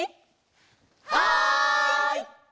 はい！